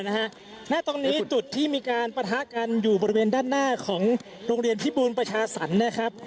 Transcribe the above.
หน้าตรงนี้จุดที่มีการปะทะกันอยู่บริเวณด้านหน้าของโรงเรียนพิบูรประชาสรรค์นะครับ